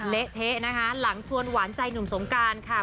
เละเทะนะคะหลังชวนหวานใจหนุ่มสงการค่ะ